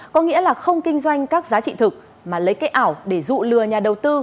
có nghĩa là không kinh doanh các giá trị thực mà lấy cái ảo để dụ lừa nhà đầu tư